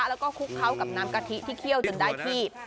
แล้วก็คลุกเคล้ากับน้ำกะทิที่เคี่ยวจนได้ที่